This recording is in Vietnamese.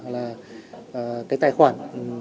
là cái tài khoản